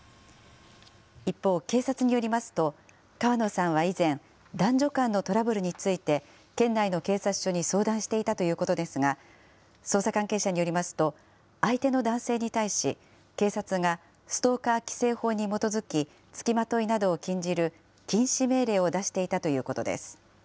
一方、警察によりますと、川野さんは以前、男女間のトラブルについて、県内の警察署に相談していたということですが、捜査関係者によりますと、相手の男性に対し、警察がストーカー規制法に基づき、付きまといなどを禁じる禁止命令を出していたということです。